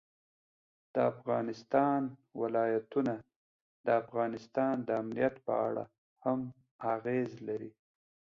د افغانستان ولايتونه د افغانستان د امنیت په اړه هم اغېز لري.